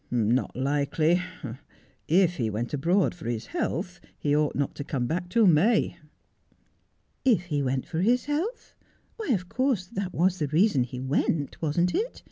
' Not likely. If he went abroad for his health he ought not to come back till May.' ' If he went for his health — why, of course that was the reason he went, wasn't it